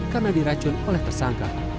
karena diracun oleh tersangka